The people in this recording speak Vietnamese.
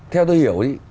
theo tôi hiểu